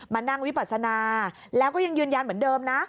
มานั่งวิปัสนาแล้วก็ยังยืนยันเหมือนเดิมนะ